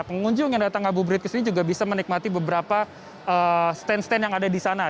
pengunjung yang datang ngabuburit ke sini juga bisa menikmati beberapa stand stand yang ada di sana